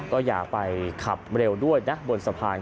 ก็อย่าไปขับเร็วด้วยนะบนสะพาน